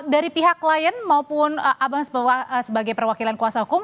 dari pihak klien maupun abang sebagai perwakilan kuasa hukum